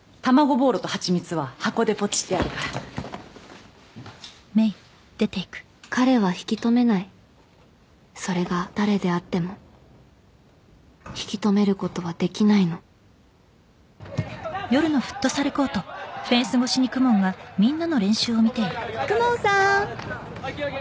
ボーロと蜂蜜は箱でポチってあるから彼は引き止めないそれが誰であっても引き止めることはできないの公文さん